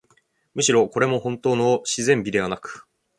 むしろ、これもほんとうの自然美ではなく、